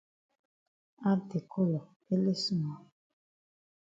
Add de colour ele small.